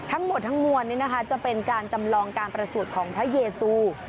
ทั้งหมดทั้งมวลนี้นะคะจะเป็นการจำลองการประสูจน์ของพระเยซู